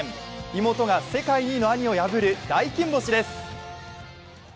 妹が世界２位の兄を破る大金星です。